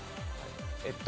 えっと。